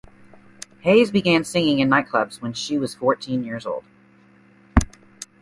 Hayes began singing in nightclubs when she was fourteen years old.